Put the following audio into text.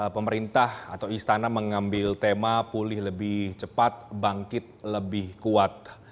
pemerintah atau istana mengambil tema pulih lebih cepat bangkit lebih kuat